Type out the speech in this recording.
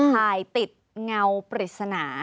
ถ่ายติดเงาปริศนา